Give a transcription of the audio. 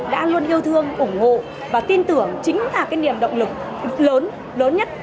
đã luôn yêu thương ủng hộ và tin tưởng chính là cái niềm động lực lớn nhất